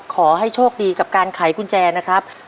ขอให้โชคดีกับการไขกุญแจนะครับ